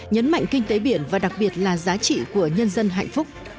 nhấn mạnh kinh tế biển và đặc biệt là giá trị của nhân dân hạnh phúc